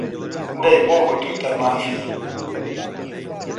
دەی بۆ گوتووتە مافی ؟